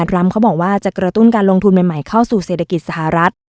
ทรัมป์เขาบอกว่าจะกระตุ้นการลงทุนใหม่เข้าสู่เศรษฐกิจสหรัฐ